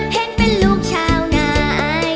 เห็นเป็นลูกชาวนาย